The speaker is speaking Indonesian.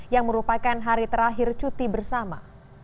yang merupakan hari terakhir cuti bersama